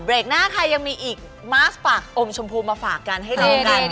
หน้าค่ะยังมีอีกมาสฝากอมชมพูมาฝากกันให้ดูกัน